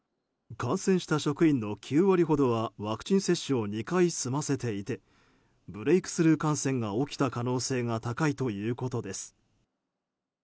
感染した職員の９割ほどはワクチン接種を２回済ませていてブレークスルー感染が起きた可能性が高いということです。